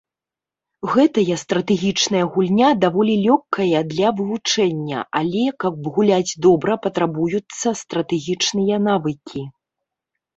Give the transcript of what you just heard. Гэтая стратэгічная гульня даволі лёгкая для вывучэння, але каб гуляць добра патрабуюцца стратэгічныя навыкі.